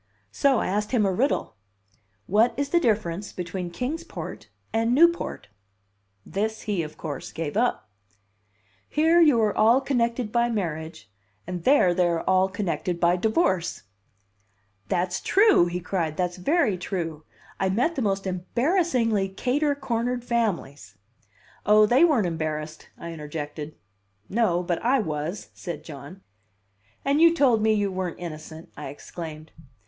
So I asked him a riddle. "What is the difference between Kings Port and Newport?" This he, of course, gave up. "Here you are all connected by marriage, and there they are all connected by divorce." "That's true!" he cried, "that's very true. I met the most embarrassingly cater cornered families." "Oh, they weren't embarrassed!" I interjected. "No, but I was," said John. "And you told me you weren't innocent!" I exclaimed.